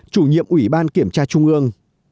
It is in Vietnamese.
chủ nhiệm ủy ban kiểm tra trung ương